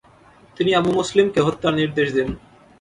তিনি আবু মুসলিমকে হত্যার নির্দেশ দেন।